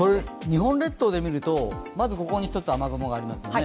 日本列島で見ると、まずここに１つ雨雲がありますね。